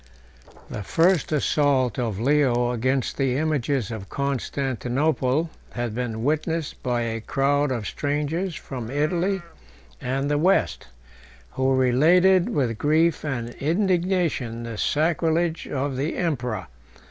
726, No. 15.)] The first assault of Leo against the images of Constantinople had been witnessed by a crowd of strangers from Italy and the West, who related with grief and indignation the sacrilege of the emperor.